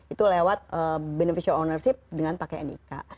itu lewat beneficial ownership dengan pakai nik